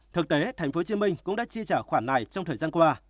thực tế tp hcm cũng đã chi trả khoản này trong thời gian qua